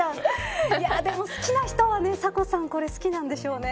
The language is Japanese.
好きな人はサコさん好きなんでしょうね。